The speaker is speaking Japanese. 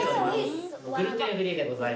グルテンフリーでございます。